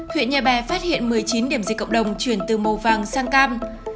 huyện nhà bè phát hiện một mươi chín điểm dịch cộng đồng chuyển từ màu vàng sang cam